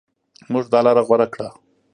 موږ دا لاره غوره کړه.